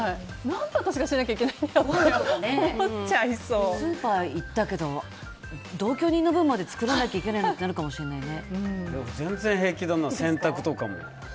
何で私がしなきゃいけないんだよってスーパー行ったけど同居人の分まで作らなきゃいけないの？とか俺は全然平気だな、洗濯とかも。